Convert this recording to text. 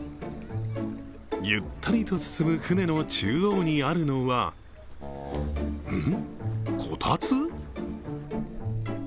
ゆったりと進む舟の中央にあるのはん？